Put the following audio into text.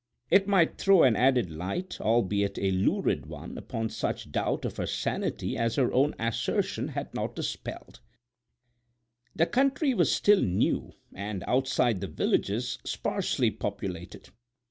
It might throw an added light, albeit a lurid one, upon such doubt of her sanity as her own assertion had not dispelled. The country was still new and, outside the villages, sparsely populated.